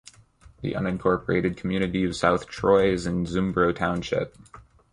The unincorporated community of South Troy is in Zumbro Township.